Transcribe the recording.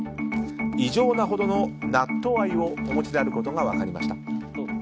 異常なほどの納豆愛をお持ちであることが分かりました。